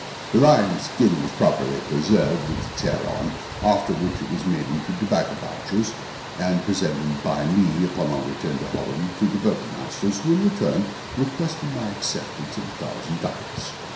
The lion's skin was properly preserved, with its hair on, after which it was made into tobacco pouches, and presented by me, upon our return to Holland, to the burgomasters, who, in return, requested my acceptance of a thousand ducats.